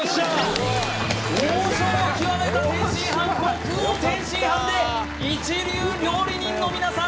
王将が極めた天津飯極王天津飯で一流料理人の皆さん